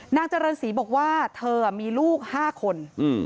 นางจรณศรีบอกว่าเธอมีลูกห้าคน